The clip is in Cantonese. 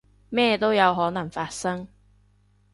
咩都有可能發生